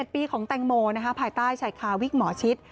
ปีของแตงโมภายใต้ชายคาวิกหมอชิด